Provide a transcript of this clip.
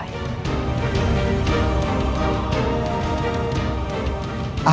aku akan selalu mengingat kalian